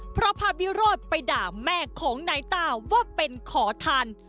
เพราะพาวิโรธไปด่าแม่ของนายต้าว่าเป็นขอทัน